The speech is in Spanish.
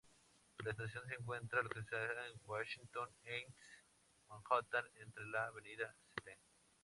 La estación se encuentra localizada en Washington Heights, Manhattan entre la Avenida St.